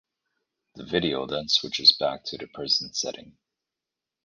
The video then switches back to the prison setting.